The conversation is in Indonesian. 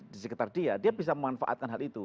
di sekitar dia dia bisa memanfaatkan hal itu